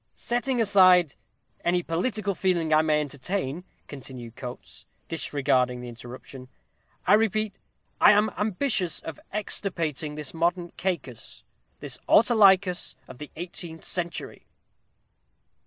"Setting aside any political feeling I may entertain," continued Coates, disregarding the interruption, "I repeat, I am ambitious of extirpating this modern Cacus this Autolycus of the eighteenth century."